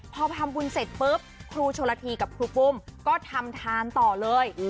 พอทำบุญเสร็จปุ๊บครูชนละทีกับครูปุ้มก็ทำทานต่อเลย